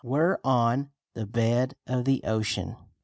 We're on the bed of the ocean."